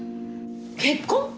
結婚！？